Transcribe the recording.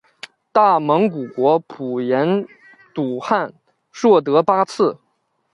大蒙古国普颜笃汗硕德八剌。